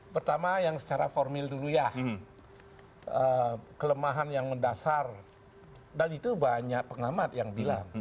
pertama yang secara formil dulu ya kelemahan yang mendasar dan itu banyak pengamat yang bilang